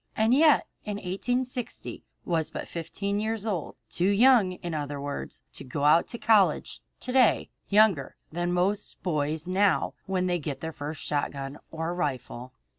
And yet in 1860 he was but fifteen years old, too young, in other words, to go to college to day, younger than most boys now when they get their first shotgun or rifle.